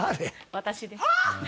私です。